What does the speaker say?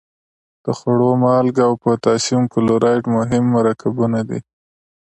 د خوړو مالګه او پوتاشیم کلورایډ مهم مرکبونه دي.